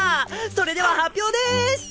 それでは発表です！